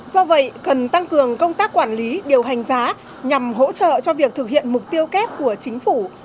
do vậy cần tăng cường công tác quản lý điều hành giá nhằm hỗ trợ cho việc thực hiện mục tiêu kép của chính phủ